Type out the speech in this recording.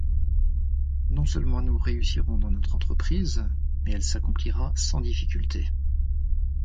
Non-seulement nous réussirons dans notre entreprise, mais elle s’accomplira sans difficultés.